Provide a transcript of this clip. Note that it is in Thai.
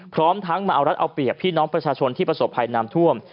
พร้อมทั้งมาเอารัดเอาเปรียบพี่น้องประชาชนที่ประสบภัยน้ำท่วม